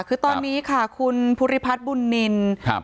คือตอนนี้ค่ะคุณภูริพัฒน์บุญนินครับ